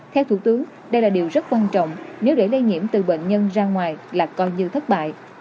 theo thủ tướng đây là điều rất quan trọng nếu để lây nhiễm từ bệnh nhân ra ngoài là coi như thất bại